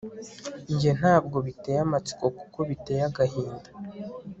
Njye ntabwo biteye amatsiko kuko biteye agahinda